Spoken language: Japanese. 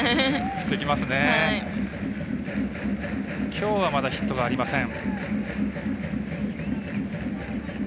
きょうはまだヒットがありません。